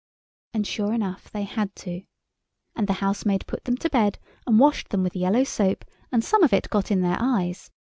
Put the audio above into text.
And, sure enough, they had to. And the housemaid put them to bed, and washed them with yellow soap, and some of it got in their eyes.